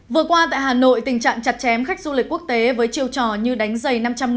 vừa qua tại hà nội tình trạng chặt chém khách du lịch quốc tế với chiêu trò như đánh giày năm trăm năm mươi